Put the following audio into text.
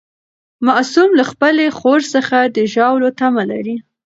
معصوم له خپلې خور څخه د ژاولو تمه لري.